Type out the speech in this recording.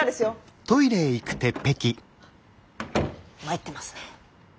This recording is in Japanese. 参ってますね。